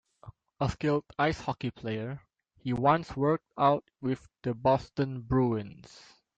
A skilled ice hockey player, he once worked out with the Boston Bruins.